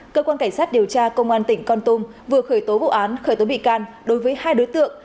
cơ quan cảnh sát điều tra công an tỉnh con tum vừa khởi tố vụ án khởi tố bị can đối với hai đối tượng